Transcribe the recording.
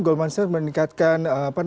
goldman sachs meningkatkan